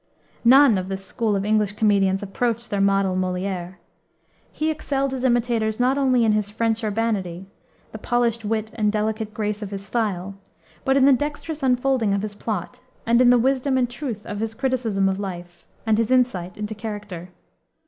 None of this school of English comedians approached their model, Molière. He excelled his imitators not only in his French urbanity the polished wit and delicate grace of his style but in the dexterous unfolding of his plot, and in the wisdom and truth of his criticism of life, and his insight into character.